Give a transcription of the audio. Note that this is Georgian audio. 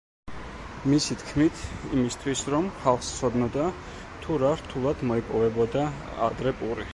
მისი თქმით, იმისთვის, რომ ხალხს სცოდნოდა თუ რა რთულად მოიპოვებოდა ადრე პური.